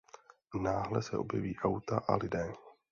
Náhle se objeví auta a lidé.